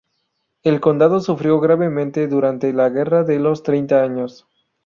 El condado sufrió gravemente durante la Guerra de los Treinta Años.